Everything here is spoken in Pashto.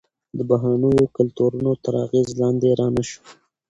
د بهرنیو کلتورونو تر اغیز لاندې رانه شو.